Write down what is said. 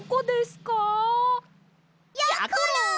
やころ！